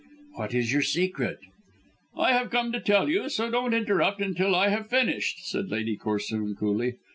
"What is your secret?" "I have come to tell you, so don't interrupt until I have finished," said Lady Corsoon coolly.